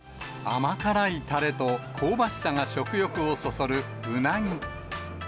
甘辛いたれと香ばしさが食欲をそそる、うなぎ。